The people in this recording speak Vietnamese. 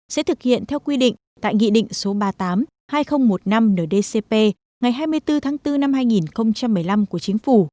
sẽ thực hiện theo quy định tại nghị định số ba mươi tám hai nghìn một mươi năm ndcp ngày hai mươi bốn tháng bốn năm hai nghìn một mươi năm của chính phủ